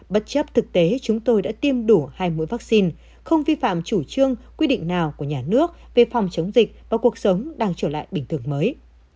bất chấp thực tế chúng tôi đã tiêm đủ hai mũi vaccine không vi phạm chủ trương quy định nào của nhà nước về phòng chống dịch và cuộc sống đang trở lại bình thường mới